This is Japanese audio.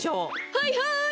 はいはい！